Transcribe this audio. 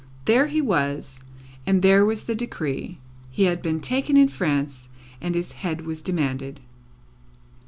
There he was, and there was the decree; he had been taken in France, and his head was demanded.